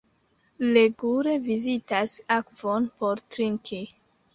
Regule vizitas akvon por trinki.